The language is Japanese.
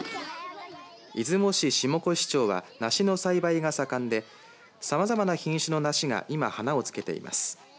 出雲市下古志町は梨の栽培が盛んでさまざまな品種の梨が今花をつけています。